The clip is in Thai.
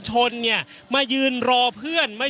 อย่างที่บอกไปว่าเรายังยึดในเรื่องของข้อ